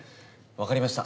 分かりました。